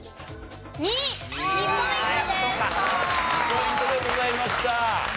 ２ポイントでございました。